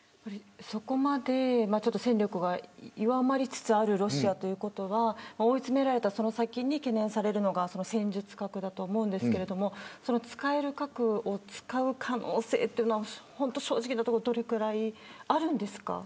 そこまで戦力が弱まりつつあるロシアということは追い詰められたその先に懸念されるのが戦術核だと思いますが使える核を使う可能性というのは正直なところどのぐらいあるんですか。